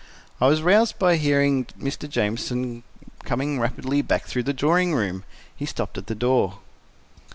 I was roused by hearing Mr. Jamieson coming rapidly back through the drawing room. He stopped at the door.